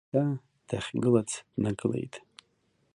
Еиҭа дахьгылац днагылеит.